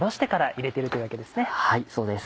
はいそうです